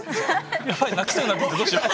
やばい泣きそうになってきたどうしよう。